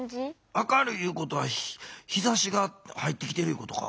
明るいいうことは日ざしが入ってきてるいうことか？